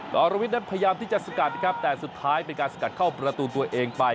กรวิทย์นั้นพยายามที่จะสกัดนะครับแต่สุดท้ายเป็นการสกัดเข้าประตูตัวเองไป